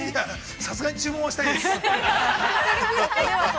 さすがに注文はしたいです。